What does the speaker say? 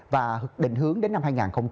và định hướng đến năm hai nghìn ba mươi